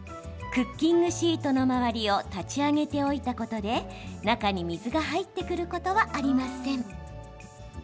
クッキングシートの周りを立ち上げておいたことで中に水が入ってくることはありません。